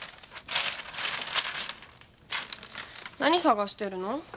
何探してるの？